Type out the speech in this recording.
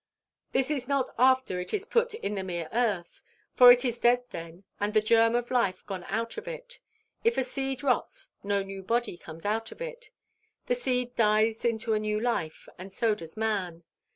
This is not after it is put in the mere earth; for it is dead then, and the germ of life gone out of it. If a seed rots, no new body comes of it. The seed dies into a new life, and so does man.